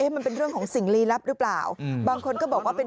มันเป็นเรื่องของสิ่งลีลับหรือเปล่าบางคนก็บอกว่าเป็น